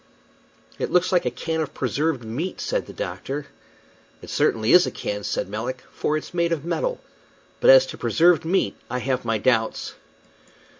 "It looks like a can of preserved meat," said the doctor. "It certainly is a can," said Melick, "for it's made of metal; but as to preserved meat, I have my doubts."